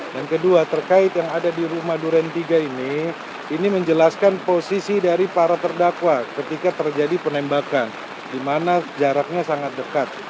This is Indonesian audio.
dan kedua terkait yang ada di rumah duren tiga ini ini menjelaskan posisi dari para terdakwa ketika terjadi penembakan di mana jaraknya sangat dekat